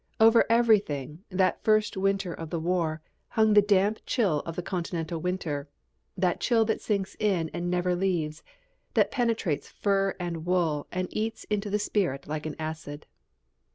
Over everything, that first winter of the war, hung the damp chill of the Continental winter, that chill that sinks in and never leaves, that penetrates fur and wool and eats into the spirit like an acid.